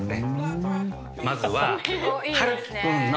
まずは。